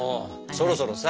そろそろさ